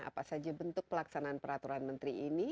apa saja bentuk pelaksanaan peraturan menteri ini